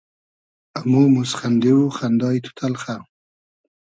امو موسخئندی و خئندای تو تئلخۂ